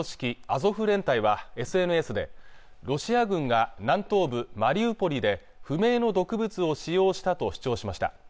アゾフ連隊はＳＮＳでロシア軍が南東部マリウポリで不明の毒物を使用したと主張しました